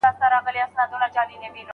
ښه انسانان تل په خپل چلند کي عاجز وي.